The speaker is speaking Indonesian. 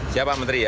siap pak menteri ya